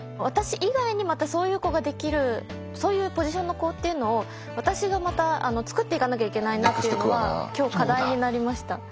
私以外にまたそういう子ができるそういうポジションの子っていうのを私がまた作っていかなきゃいけないなっていうのは今日課題になりました。